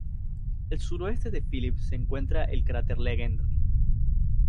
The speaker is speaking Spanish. Al suroeste de Phillips se encuentra el cráter Legendre.